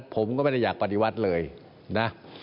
ผมก็ไม่ได้อยากปฏิวัติเลยนะ